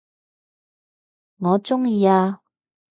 我鍾意啊